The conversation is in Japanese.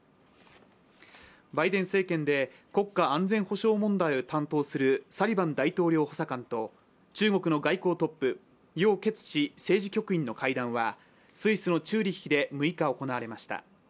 バイデン政権で国家安全保障問題を担当するサリバン大統領補佐官と中国の外交トップ、楊潔チ政治局員の会談はスイスのチューリヒで６日行われました。